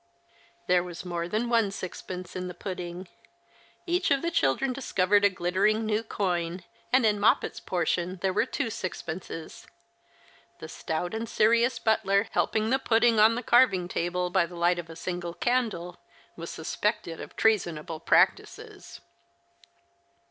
There was more than one sixpence in the pudding. Each of the children discovered a glittering new coin, and in Moppet's portion there were two sixpences. The stout and serious butler helping the pudding on the carving table by the light of a single candle was suspected of treasonable practices.